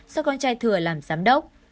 do con trai thừa làm giám đốc